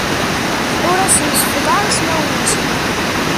Ur asen-seffḍeɣ ismawen-nsen.